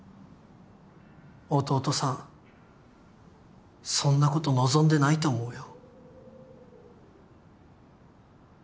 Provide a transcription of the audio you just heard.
弟さんそんなこと望んでないと思うよ。